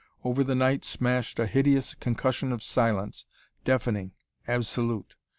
Over the night smashed a hideous concussion of silence, deafening, absolute.